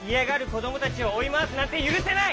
こどもたちをおいまわすなんてゆるせない！